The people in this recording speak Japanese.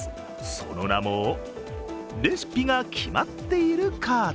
その名も、レシピが決まっているカート。